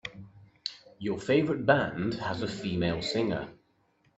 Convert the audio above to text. Your favorite band has a female singer.